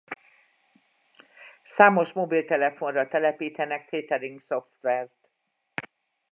Számos mobiltelefonra telepítenek tethering-szoftvert.